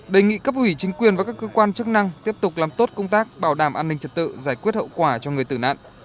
đề nghị cấp ủy chính quyền và các cơ quan chức năng tiếp tục làm tốt công tác bảo đảm an ninh trật tự giải quyết hậu quả cho người tử nạn